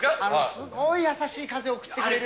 すごい優しい風を送ってくれる。